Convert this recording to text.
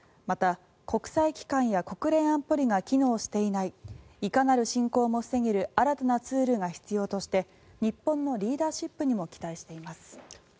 また、国際機関や国連安保理が機能していないいかなる侵攻も防げる新たなツールが必要として日本のリーダーシップにも期待しています。